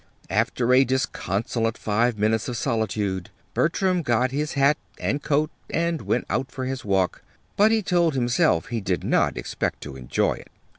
After a disconsolate five minutes of solitude, Bertram got his hat and coat and went out for his walk but he told himself he did not expect to enjoy it.